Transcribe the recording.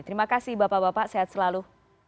terima kasih bapak bapak sehat selalu